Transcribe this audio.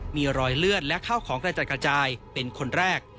มีรอยเลือดและข้าวของกระจัดกระจายเป็นคนแรก